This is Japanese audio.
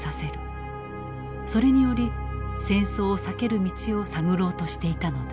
それにより戦争を避ける道を探ろうとしていたのだ。